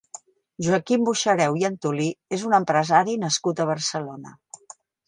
Joaquim Boixareu i Antolí és un empresari nascut a Barcelona.